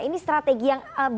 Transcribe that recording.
ini strategi yang bisa diperoleh